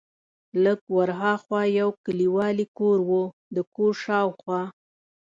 لږ ور ها خوا یو کلیوالي کور و، د کور شاوخوا.